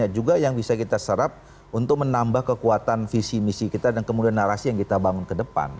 juga yang bisa kita serap untuk menambah kekuatan visi misi kita dan kemudian narasi yang kita bangun ke depan